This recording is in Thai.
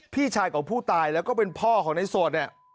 พี่ชายของผู้ตายแล้วก็เป็นพ่อของในโสดเนี่ย